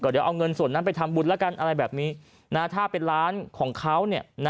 เดี๋ยวเอาเงินส่วนนั้นไปทำบุญแล้วกันอะไรแบบนี้ถ้าเป็นร้านของเขา